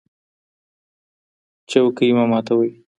څوکۍ مه ماتوئ.